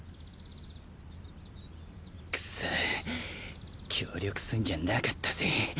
クソー協力すんじゃなかったぜ。